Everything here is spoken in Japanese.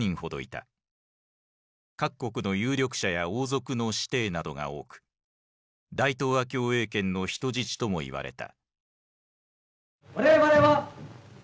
各国の有力者や王族の子弟などが多く大東亜共栄圏の人質ともいわれた。